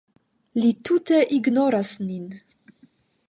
Li tute ignoras nin.